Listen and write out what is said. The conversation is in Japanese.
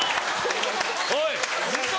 おい！